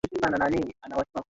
ya uwanja hapa uwanja wa furahisha